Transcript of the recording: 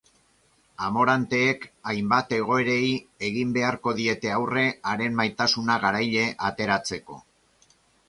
Amoranteek hainbat egoerei egin beharko diete aurre haren maitasuna garaile ateratzeko.